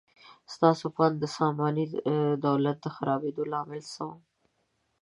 ستاسو په اند د ساماني دولت د خرابېدو لامل څه و؟